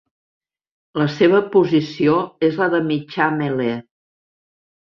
La seva posició és la de mitjà melé.